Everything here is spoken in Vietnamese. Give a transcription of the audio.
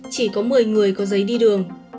chỉ có một mươi người có di chuyển